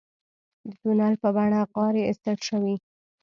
د تونل په بڼه غارې ایستل شوي.